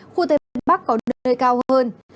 khu tây bắc có nơi cao hơn